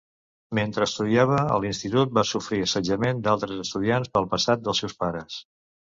Mentre estudiava a l'institut va sofrir assetjament d'altres estudiants pel passat dels seus pares.